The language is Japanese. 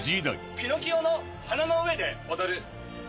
ピノキオの鼻の上で踊る。